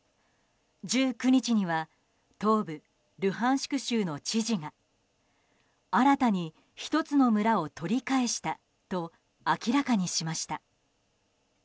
１９日には東部ルハンシク州の知事が新たに１つの村を取り返したと明らかにしました。